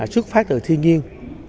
xuất phát từ thiên nhiên